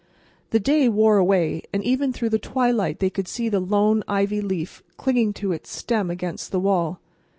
The day wore away, and even through the twilight they could see the lone ivy leaf clinging to its stem against the wall.